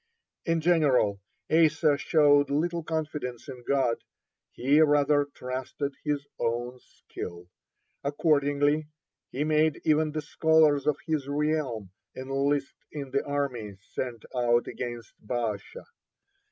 (21) In general, Asa showed little confidence in God; he rather trusted his own skill. Accordingly, he made even the scholars of his realm enlist in the army sent out against Baasha.